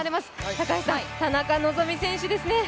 高橋さん、田中希実選手ですね。